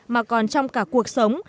mà còn trong cả cuộc sống